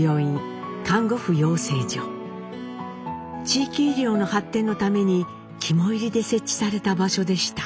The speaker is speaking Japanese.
地域医療の発展のために肝煎りで設置された場所でした。